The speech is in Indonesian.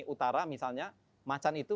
utara misalnya macan itu